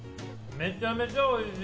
めちゃめちゃおいしい！